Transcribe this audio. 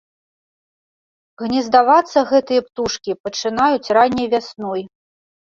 Гнездавацца гэтыя птушкі пачынаюць ранняй вясной.